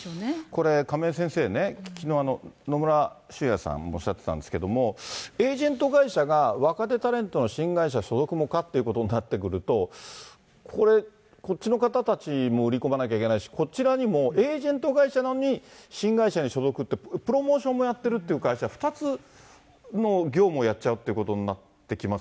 これ亀井先生ね、きのう、野村修也さんもおっしゃってたんですけど、エージェント会社が若手タレントの新会社所属も可っていうことになってくると、これ、こっちの方たちも売り込まないといけないし、こちらにも、エージェント会社なのに新会社に所属って、プロモーションもやってるって会社、２つの業務をやっちゃうっていうことになってきま